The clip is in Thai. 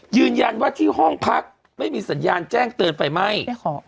ยืนยันว่าที่ห้องพักไม่มีสัญญาณแจ้งเตือนไฟไหม้ขอ